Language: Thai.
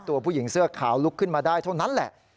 ตัวผู้หญิงเสื้อขาวลุกขึ้นมาได้เท่านั้นแหละ